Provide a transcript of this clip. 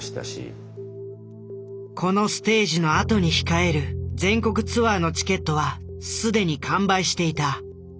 このステージのあとに控える全国ツアーのチケットは既に完売していた。